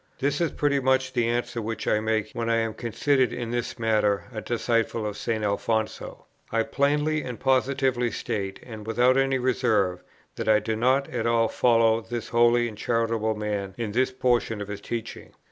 This is pretty much the answer which I make, when I am considered in this matter a disciple of St. Alfonso. I plainly and positively state, and without any reserve, that I do not at all follow this holy and charitable man in this portion of his teaching.